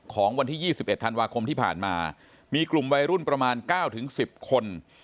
ของวันที่๒๑ธันวาคมที่ผ่านมามีกลุ่มวัยรุ่นประมาณ๙๑๐คน